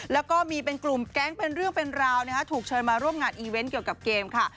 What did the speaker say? แล้วก็มีเป็นกลุ่มแก๊งเป็นเรื่องเป็นราวถูกเชิญมาร่วมงานอีเวนต์เกี่ยวกับเกมค่ะ